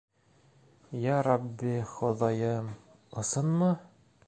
— Ярабби Хоҙайым, ысынмы?